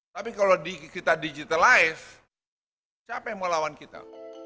tapi kalau kita digitalize siapa yang mau lawan kita